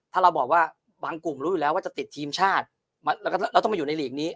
ถ้าเราบอกว่าบางกลุ่มรู้อยู่แล้วว่าจะติดทีมชาติเราต้องมาอยู่ในหลีกนี้